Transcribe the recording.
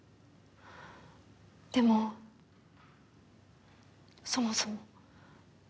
でもそもそも。